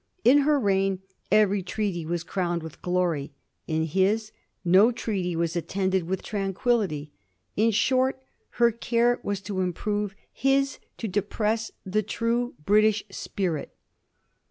In her reign every treaty was crowned with glory; in his no peace was attended with tranquillity; in short, her care was to improve, his to depress the true British spirit."